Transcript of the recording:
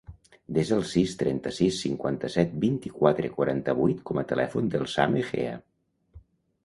Desa el sis, trenta-sis, cinquanta-set, vint-i-quatre, quaranta-vuit com a telèfon del Sam Egea.